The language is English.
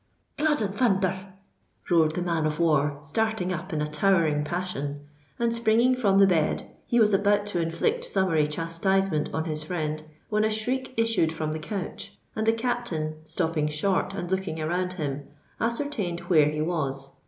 "Blood and thunther!" roared the man of war starting up in a towering passion;—and, springing from the bed, he was about to inflict summary chastisement on his friend, when a shriek issued from the couch—and the captain, stopping short and looking around him, ascertained where he was.